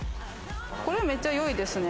これ、めっちゃ良いですね！